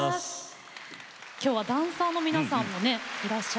今日はダンサーの皆さんもいらっしゃって。